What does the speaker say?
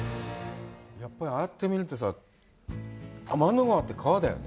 やっぱりああやって見ると天の川って川だよね？